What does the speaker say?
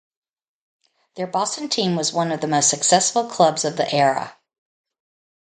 Their Boston team was one of the most successful clubs of the era.